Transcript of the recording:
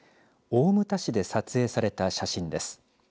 大牟田市で撮影された写真です。